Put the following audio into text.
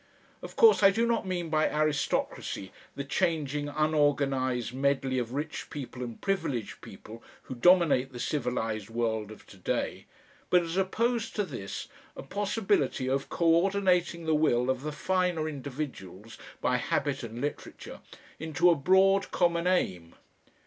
Of course I do not mean by aristocracy the changing unorganised medley of rich people and privileged people who dominate the civilised world of to day, but as opposed to this, a possibility of co ordinating the will of the finer individuals, by habit and literature, into a broad common aim.